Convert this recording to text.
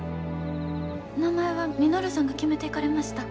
名前は稔さんが決めていかれました。